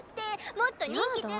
もっと人気出る。